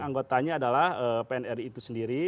anggotanya adalah pnri itu sendiri